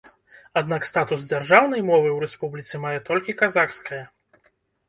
Аднак статус дзяржаўнай мовы ў рэспубліцы мае толькі казахская.